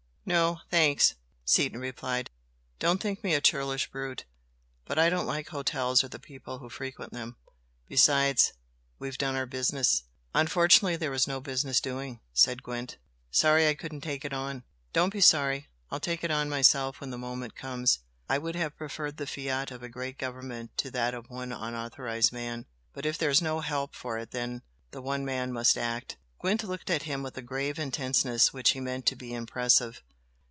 "No, thanks" Seaton replied "Don't think me a churlish brute but I don't like hotels or the people who frequent them. Besides we've done our business." "Unfortunately there was no business doing!" said Gwent "Sorry I couldn't take it on." "Don't be sorry! I'll take it on myself when the moment comes. I would have preferred the fiat of a great government to that of one unauthorised man but if there's no help for it then the one man must act." Gwent looked at him with a grave intentness which he meant to be impressive.